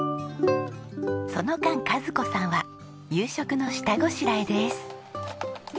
その間和子さんは夕食の下ごしらえです。